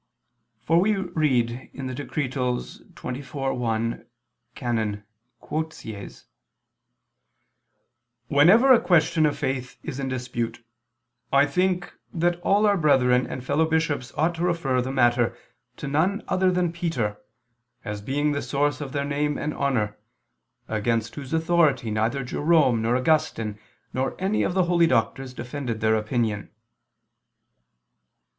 For we read [*Decret. xxiv, qu. 1, can. Quoties]: "Whenever a question of faith is in dispute, I think, that all our brethren and fellow bishops ought to refer the matter to none other than Peter, as being the source of their name and honor, against whose authority neither Jerome nor Augustine nor any of the holy doctors defended their opinion."